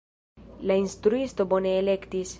La instruisto bone elektis.